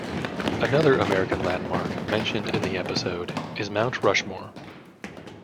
Another American landmark mentioned in the episode is Mount Rushmore.